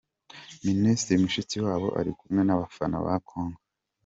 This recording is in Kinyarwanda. Minisitiri Mushikiwabo ari kumwe n’abafana ba Congo.